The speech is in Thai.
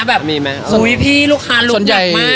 หัวใหญ่ลูกค้าเหรอ